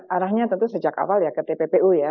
arahnya tentu sejak awal ya ke tppu ya